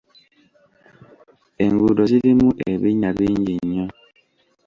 Enguudo zirumu ebinnya bingi nnyo.